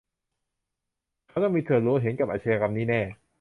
เขาต้องมีส่วนรู้เห็นกับอาชญากรรมนี้แน่